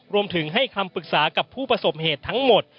รวมถึงให้คำปรึกษากับผู้ประสบเหตุทั้งหมด